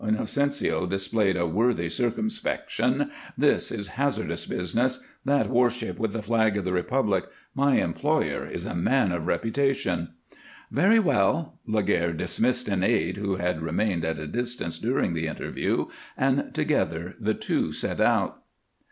Inocencio displayed a worthy circumspection. "This is hazardous business. That war ship with the flag of the Republic my employer is a man of reputation." "Very well." Laguerre dismissed an aide who had remained at a distance during the interview, and together the two set out.